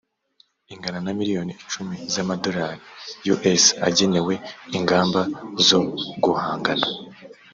ingana na miliyoni icumi z amadolari us agenewe ingamba zo guhangana